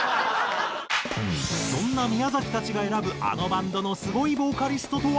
そんな宮崎たちが選ぶあのバンドのすごいボーカリストとは？